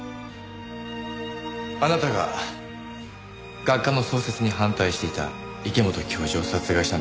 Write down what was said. あなたが学科の創設に反対していた池本教授を殺害したんですね？